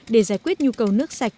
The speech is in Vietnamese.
để giải quyết nhu cầu nước sạch